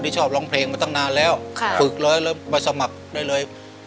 คนที่ชอบร้องเพลงมาตั้งนานแล้วค่ะฝึกแล้วไปสมัครได้เลย